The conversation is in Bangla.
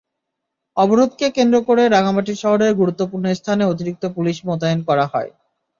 অবরোধকে কেন্দ্র করে রাঙামাটি শহরের গুরুত্বপূর্ণ স্থানে অতিরিক্ত পুলিশ মোতায়েন করা হয়।